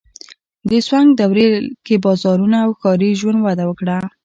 د سونګ دورې کې بازارونه او ښاري ژوند وده وکړه.